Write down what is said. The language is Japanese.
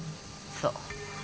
そう。